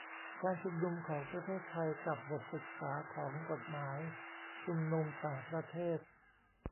การชุมนุมของประเทศไทยกับบทศึกษาของกฎหมายชุมนุมต่างประเทศ